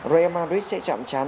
real madrid sẽ chạm chán